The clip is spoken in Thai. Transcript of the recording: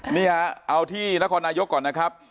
นี่ฮะเอาที่นครนายกก่อนนะครับ